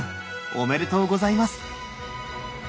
おめでとうございます。